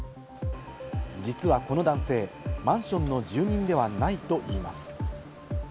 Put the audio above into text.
実はこの男性、マンションの住人ではないといいます。